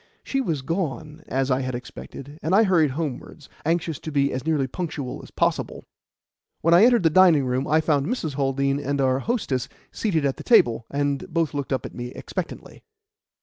She was gone, as I had expected, and I hurried homewards, anxious to be as nearly punctual as possible. When I entered the dining room, I found Mrs. Haldean and our hostess seated at the table, and both looked up at me expectantly.